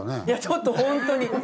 いやちょっとホントに。